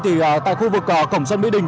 thì tại khu vực cổng sân mỹ đình